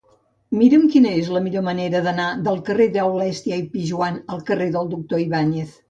Mira'm quina és la millor manera d'anar del carrer d'Aulèstia i Pijoan al carrer del Doctor Ibáñez.